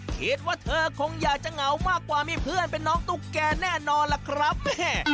คิดว่าเธอคงอยากจะเหงามากกว่ามีเพื่อนเป็นน้องตุ๊กแก่แน่นอนล่ะครับแม่